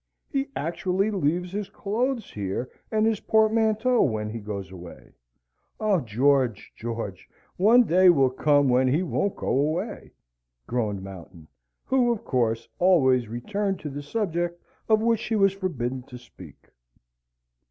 "He actually leaves his clothes here and his portmanteau when he goes away. Ah! George, George! One day will come when he won't go away," groaned Mountain, who, of course, always returned to the subject of which she was forbidden to speak.